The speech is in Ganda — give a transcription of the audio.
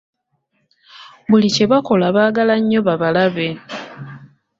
Buli kye bakola baagala nnyo babalabe.